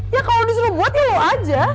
ya kalau disuruh buat ya lo aja